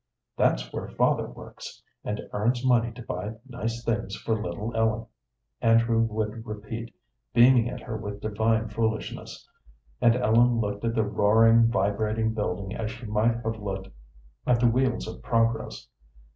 "That's where father works and earns money to buy nice things for little Ellen," Andrew would repeat, beaming at her with divine foolishness, and Ellen looked at the roaring, vibrating building as she might have looked at the wheels of progress.